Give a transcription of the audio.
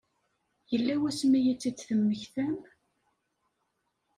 Yella wasmi i tt-id-temmektam?